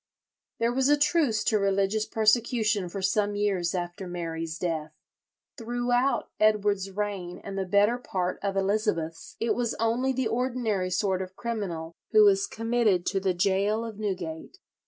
There was a truce to religious persecution for some years after Mary's death. Throughout Edward's reign and the better part of Elizabeth's it was only the ordinary sort of criminal who was committed to the gaol of Newgate.